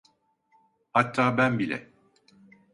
Hatta ben bile.